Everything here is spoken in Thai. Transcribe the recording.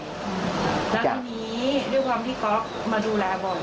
แล้วทีนี้ด้วยความที่ก๊อฟมาดูแลบ่อย